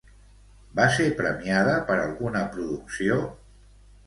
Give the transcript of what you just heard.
Va ser premiada per alguna producció?